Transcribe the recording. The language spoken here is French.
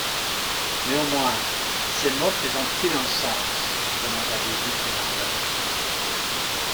Mais au moins, ces mots présentent-ils un sens? demanda lady Glenarvan.